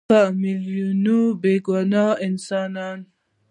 په میلیونونو بېګناه انسانان.